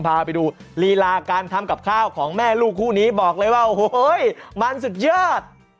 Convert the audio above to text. พาไปดูลีลาการทำกับข้าวของแม่ลูกคู่นี้บอกเลยว่าโอ้โหมันสุดยอด